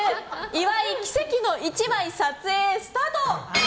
岩井奇跡の１枚撮影スタート！